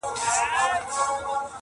له کلونو پکښي کور د لوی تور مار وو -